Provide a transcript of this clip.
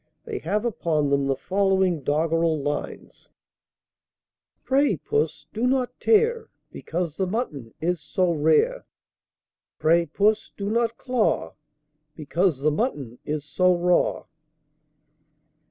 They have upon them the following doggerel lines: Pray Puss do not tare, Because the Mutton is so rare. Pray Puss do not claw, Because the Mutton is so raw.